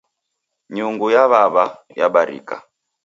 Nyungu ya w'aw'a yabarika